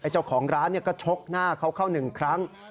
เจ้าของร้านก็ชกหน้าเขาเข้า๑ครั้ง